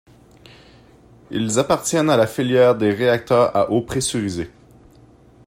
Ils appartiennent à la filière des réacteurs à eau pressurisée.